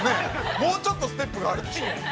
もうちょっとステップがあるとね。